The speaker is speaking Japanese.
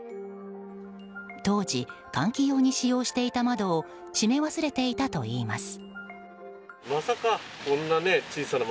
当時、換気用に使用していた窓を閉め忘れていたといいます。